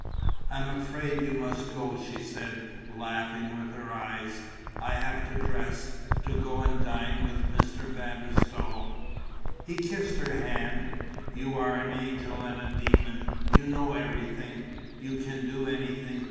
"I'm afraid you must go," she said, laughing with her eyes. "I have to dress ... to go and dine with Mr. van der Staal." He kissed her hand: "You are an angel and a demon. You know everything. You can do anything.